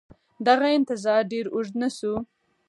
دغه انتظار ډېر اوږد نه شو.